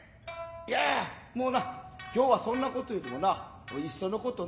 いやいやもうな今日はそんな事よりもないっそのことな